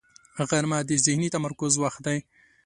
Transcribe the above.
غرمه د ذهني تمرکز وخت دی